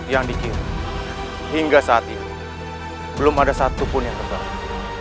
yang dikirim hingga saat ini belum ada satu pun yang ketahuan